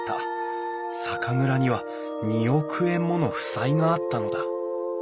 酒蔵には２億円もの負債があったのだ。